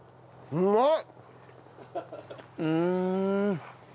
うまい！